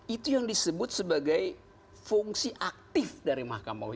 itu yang disebut sebagai fungsi aktif dari mahkamah agung